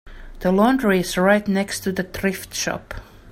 The laundry is right next to the thrift shop.